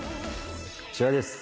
こちらです。